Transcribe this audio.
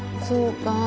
そうか。